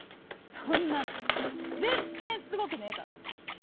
そんなの全然すごくねえから！